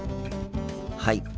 はい。